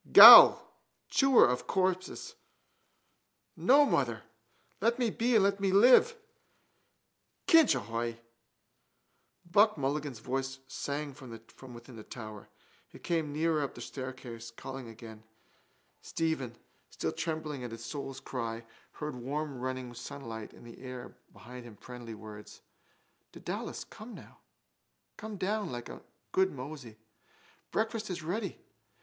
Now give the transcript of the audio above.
_ Ghoul! Chewer of corpses! No, mother! Let me be and let me live. —Kinch ahoy! Buck Mulligan's voice sang from within the tower. It came nearer up the staircase, calling again. Stephen, still trembling at his soul's cry, heard warm running sunlight and in the air behind him friendly words. —Dedalus, come down, like a good mosey. Breakfast is ready.